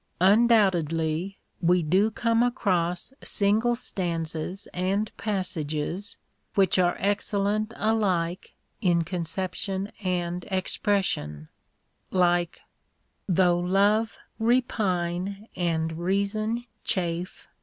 Undoubtedly we do come across single stanzas and passages which are excellent alike in conception and expression, like : Though love repine, and reason chafe.